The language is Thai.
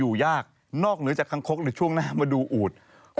อู๋ดกินเหรอใครกินอู๋ด